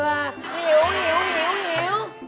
วี้ว